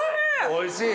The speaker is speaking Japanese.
おいしい？